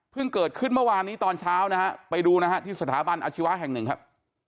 เกิดขึ้นเมื่อวานนี้ตอนเช้านะฮะไปดูนะฮะที่สถาบันอาชีวะแห่งหนึ่งครับ